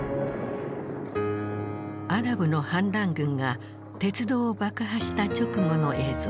アラブの反乱軍が鉄道を爆破した直後の映像。